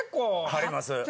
張ります。